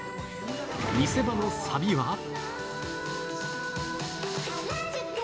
見せ場のサビは？